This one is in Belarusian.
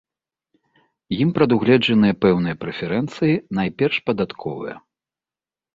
Ім прадугледжаныя пэўныя прэферэнцыі, найперш падатковыя.